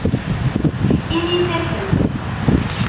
Init-asen.